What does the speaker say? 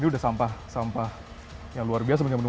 ini udah sampah sampah yang luar biasa menumpuknya